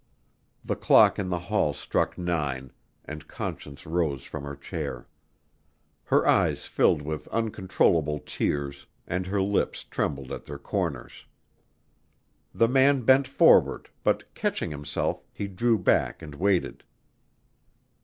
The clock in the hall struck nine and Conscience rose from her chair. Her eyes filled with uncontrollable tears and her lips trembled at their corners. The man bent forward, but, catching himself, he drew back and waited.